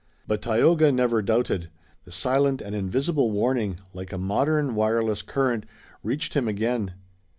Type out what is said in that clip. But Tayoga never doubted. The silent and invisible warning, like a modern wireless current, reached him again.